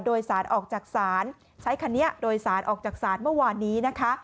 โดยสารออกจากศาลใช้คันนี้โดยสารออกจากศาลเมื่อวานนี้นะคะ